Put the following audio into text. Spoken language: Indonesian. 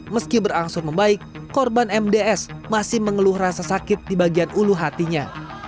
meski berangsur membaik korban mds masih mengeluh rasa sakit di bagian ulu hatinya